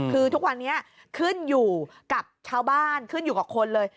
คือทุกวันนี้ขึ้นอยู่กับชาวบ้านขึ้นอยู่กับคนเลย